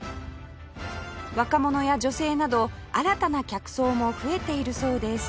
若者や女性など新たな客層も増えているそうです